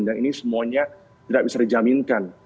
dan ini semuanya tidak bisa dijaminkan